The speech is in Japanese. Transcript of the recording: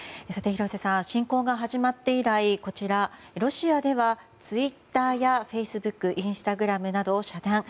廣瀬さん、侵攻が始まって以来ロシアではツイッターやフェイスブックインスタグラムなどを遮断。